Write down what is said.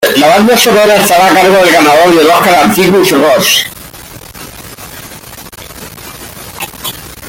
La banda sonora estará a cargo del Ganador del Oscar, Atticus Ross.